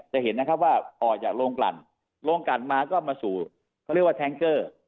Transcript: จะเห็นนะครับว่าออกจากโรงกลั่นโรงกลั่นมาก็มาสู่เขาเรียกว่าแทงเกอร์